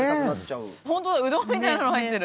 うどんみたいなの入ってる。